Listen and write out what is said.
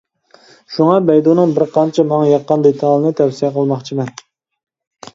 شۇڭا بەيدۇنىڭ بىر قانچە ماڭا ياققان دېتاللىرىنى تەۋسىيە قىلماقچىمەن.